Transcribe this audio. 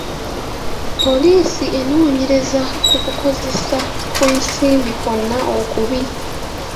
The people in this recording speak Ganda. Poliisi enoonyereza ku kukozesa kw'ensimbi kwonna okubi.